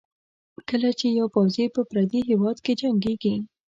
کله چې یو پوځي په پردي هېواد کې جنګېږي.